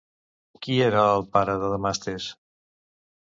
Qui era el pare de Damastes?